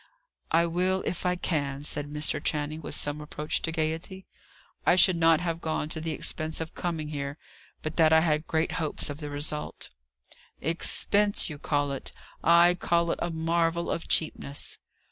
"I will if I can," said Mr. Channing, with some approach to gaiety. "I should not have gone to the expense of coming here, but that I had great hopes of the result." "Expense, you call it! I call it a marvel of cheapness."